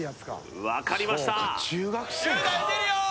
分かりました！